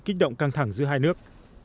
kích động căng thẳng giữa hai nước